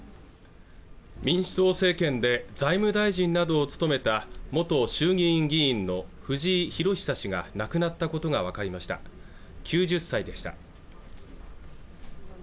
民主党政権で財務大臣などを務めた元衆議院議員の藤井裕久氏が亡くなったことが分かりました９０歳でした